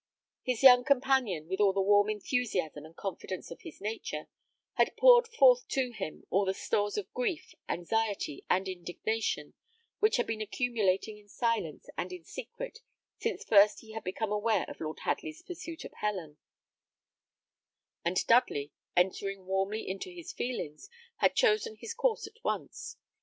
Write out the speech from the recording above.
His young companion, with all the warm enthusiasm and confidence of his nature, had poured forth to him all the stores of grief, anxiety, and indignation, which had been accumulating in silence and in secret since first he had become aware of Lord Hadley's pursuit of Helen; and Dudley, entering warmly into his feelings, had chosen his course at once.